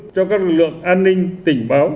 cho các lực lượng an ninh tỉnh báo